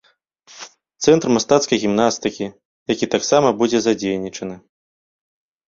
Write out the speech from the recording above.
Цэнтр мастацкай гімнастыкі, які таксама будзе задзейнічаны.